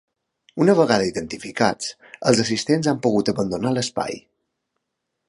Una vegada identificats, els assistents han pogut abandonar l’espai.